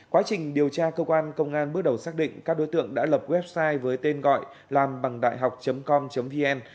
quá trình điều tra cơ quan công an bước đầu xác định các đối tượng đã lập website với tên gọi làmbằngđạihọc com vn